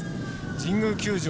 神宮球場